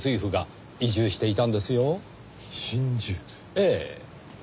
ええ。